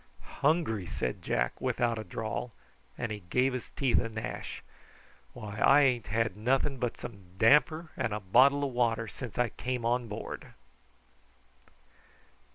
"Hungry!" said Jack, without a drawl, and he gave his teeth a gnash; "why, I ain't had nothing but some damper and a bottle o' water since I came on board."